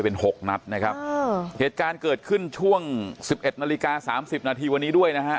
เป็นหกนัดนะครับเหตุการณ์เกิดขึ้นช่วงสิบเอ็ดนาฬิกาสามสิบนาทีวันนี้ด้วยนะฮะ